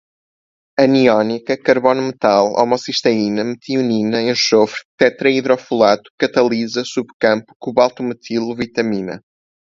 aniônica, carbono-metal, homocisteína, metionina, enxofre, tetraidrofolato, catalisa, subcampo, cobalto-metil, vitamina